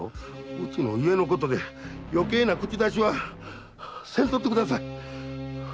うちの家のことでよけいな口出しはせんといてください！